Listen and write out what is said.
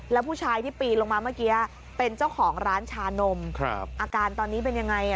แล้วผู้ชายที่ปีนลงมาเมื่อกี้เป็นเจ้าของร้านชานมอาการตอนนี้เป็นยังไง